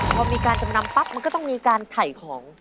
พอมีการจำนำปั๊บมันก็ต้องมีการถ่ายของ